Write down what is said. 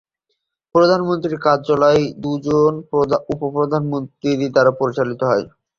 প্রধানমন্ত্রীর কার্যালয় দুজন উপপ্রধানমন্ত্রী দ্বারা পরিচালিত হয়।